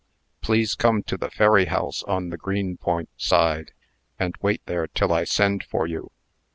Please come to the ferry house on the Greenpoint side, and wait there till I send for you.